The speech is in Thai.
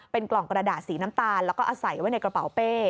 เป็นกล่องกระดาษสีน้ำตาลแล้วก็อาศัยไว้ในกระเป๋าเป้